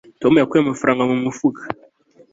tom yakuye amafaranga mu mufuka